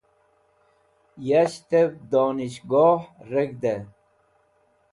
Yashtev Donishgoh Reg̃hde